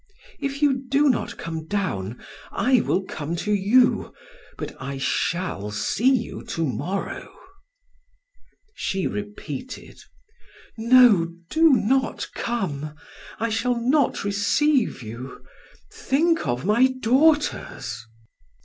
If you do not come down, I will come to you, but I shall see you to morrow." She repeated: "No, do not come. I shall not receive you. Think of my daughters!"